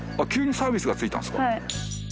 急にサービスが付いたんですか？